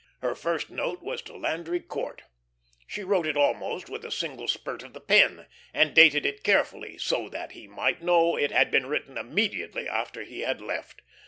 Her first note was to Landry Court. She wrote it almost with a single spurt of the pen, and dated it carefully, so that he might know it had been written immediately after he had left.